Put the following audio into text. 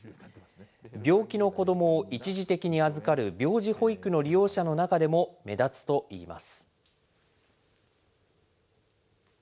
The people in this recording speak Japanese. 病気の子どもを一時的に預かる病児保育の利用者の中でも、目立つといいます。